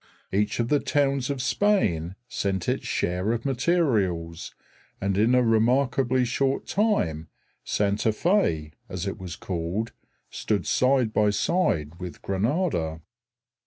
Each of the towns of Spain sent its share of materials and in a remarkably short time Santa Fé, as it was called, stood side by side with Granada.